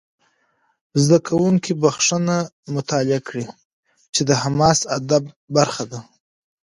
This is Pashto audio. زده کوونکي بخښنه مطالعه کړي، چې د حماسي ادب برخه ده.